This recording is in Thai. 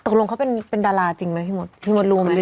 ตกลงเขาเป็นดาราจริงไหมพี่หมด